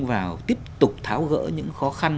vào tiếp tục tháo gỡ những khó khăn